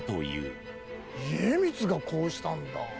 家光がこうしたんだ。